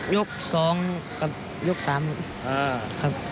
ยก๒กับยก๓ครับ